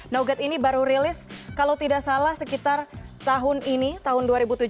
nogat ini baru rilis kalau tidak salah sekitar tahun ini tahun dua ribu tujuh belas